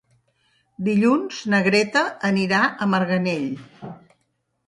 Dilluns na Greta anirà a Marganell.